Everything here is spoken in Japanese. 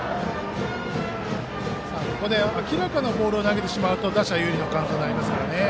ここで明らかなボールを投げてしまうと打者有利のカウントになります。